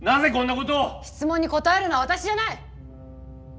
質問に答えるのは私じゃない！